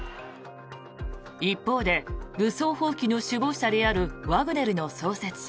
一方で武装蜂起の首謀者であるワグネルの創設者